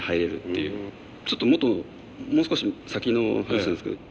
ちょっともう少し先の話なんですけど。